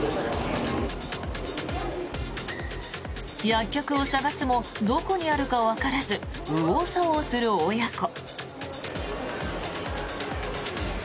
薬局を探すもどこにあるかわからず右往左往する親子。